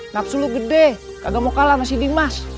nafsu lu gede kagak mau kalah sama si dimas